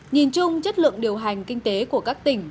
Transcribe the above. nhìn chung chất lượng điều hành kinh tế của các tỉnh